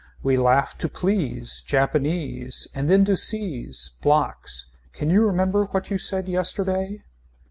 We laugh to please. Japanese. And then to seize. Blocks. Can you remember what you said yesterday.